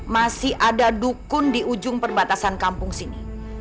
masih ada dukun di ujung perbatasan kampung sini